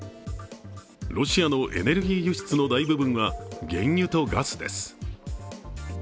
ロシアのエネルギー輸出の大部分は原油とガスです。